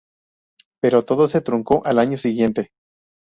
Pero todo se truncó al año siguiente.